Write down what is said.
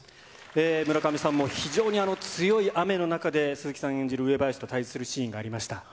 村上さんも強い雨の中で、鈴木さん演じる上林と対じするシーンがありました。